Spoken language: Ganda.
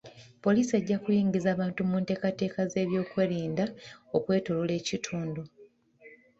Poliisi ejja kuyingiza abantu mu ntekateeka z'ebyokwerinda okwetooloola ekitundu.